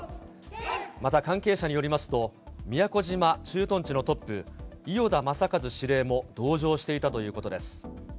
また関係者によりますと、宮古島駐屯地のトップ、伊與田雅一司令も同乗していたということです。